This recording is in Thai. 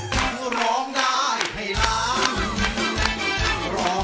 มันมาแล้วร้องได้ให้ล้าน